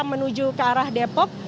menuju ke arah depok